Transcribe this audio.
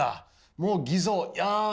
もう偽造やめた。